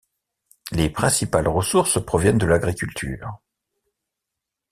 Les principales ressources proviennent de l’agriculture.